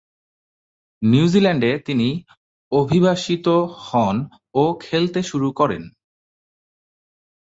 নিউজিল্যান্ডে তিনি অভিবাসিত হন ও খেলতে শুরু করেন।